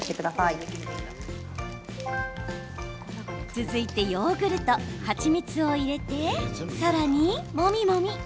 続いてヨーグルト、蜂蜜を入れてさらに、もみもみ。